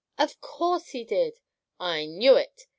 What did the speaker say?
"Of course he did!" "I knew it!